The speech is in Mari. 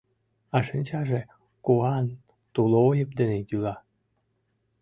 А шинчаже куан тулойып дене йӱла.